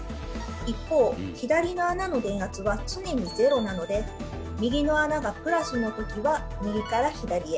一方左の穴の電圧は常に０なので右の穴が「＋」の時は右から左へ。